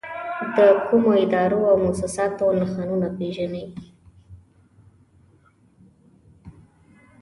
د کومو ادارو او مؤسساتو نښانونه پېژنئ؟